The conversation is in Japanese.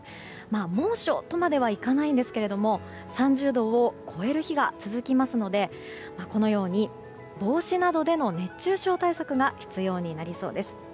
猛暑とまではいかないですが３０度を超える日が続きますのでこのように帽子などでの熱中症対策が必要となりそうです。